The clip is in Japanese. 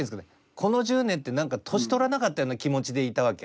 この１０年って何か年取らなかったような気持ちでいたわけ。